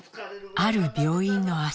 ある病院の朝。